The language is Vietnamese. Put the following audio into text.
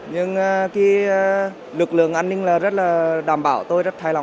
nhưng cái lực lượng an ninh là rất là đảm bảo tôi rất hài lòng